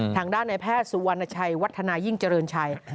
ทางด้านในแพทย์สุวรรณชัยวัฒนายิ่งเจริญชัย